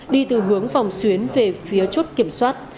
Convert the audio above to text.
đi từ hướng phòng xuyến về phía chốt kiểm soát